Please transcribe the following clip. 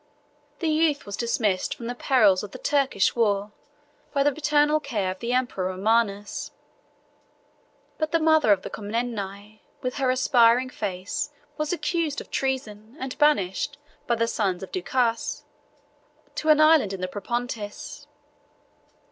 The youth was dismissed from the perils of the Turkish war, by the paternal care of the emperor Romanus: but the mother of the Comneni, with her aspiring face, was accused of treason, and banished, by the sons of Ducas, to an island in the Propontis.